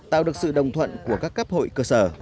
tạo được sự đồng thuận của các cấp hội cơ sở